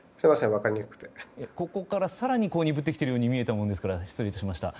ここから更に鈍っているように見えたので失礼致しました。